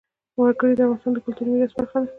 وګړي د افغانستان د کلتوري میراث برخه ده.